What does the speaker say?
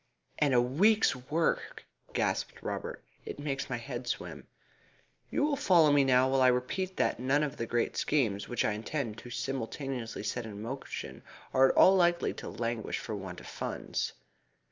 "And a week's work!" gasped Robert. "It makes my head swim." "You will follow me now when I repeat that none of the great schemes which I intend to simultaneously set in motion are at all likely to languish for want of funds.